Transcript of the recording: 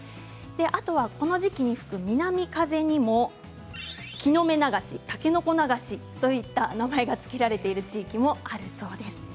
あとはこの時期に吹く南風にも木の芽流しやたけのこ流しという名前が付けられている地域もあるそうです。